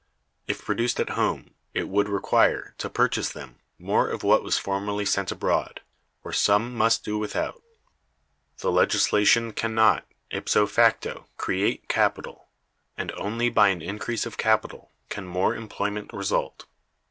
If produced at home, it would require, to purchase them, more of what was formerly sent abroad; or some must do without. The legislation can not, ipso facto, create capital, and only by an increase of capital can more employment result.